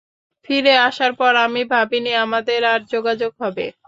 ফিরে আসার পর আমি ভাবিনি আমাদের আর যোগাযোগ হবে।